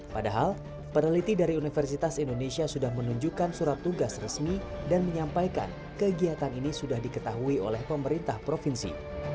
padahal peneliti dari universitas indonesia sudah menunjukkan surat tugas resmi dan menyampaikan kegiatan ini sudah diketahui oleh pemerintah provinsi